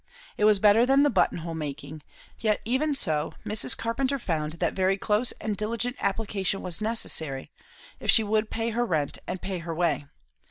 It was better than the buttonhole making; yet even so, Mrs. Carpenter found that very close and diligent application was necessary, if she would pay her rent and pay her way.